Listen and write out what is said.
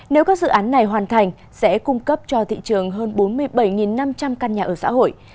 nếu các dự án này hoàn thành sẽ cung cấp cho thị trường hơn bốn mươi bảy năm trăm linh căn nhà ở xã hội